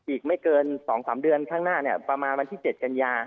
อีกไม่เกิน๒๓เดือนข้างหน้าประมาณวันที่๗กันยา